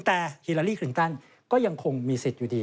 แต่ฮิลาลีคลินตันก็ยังคงมีสิทธิ์อยู่ดี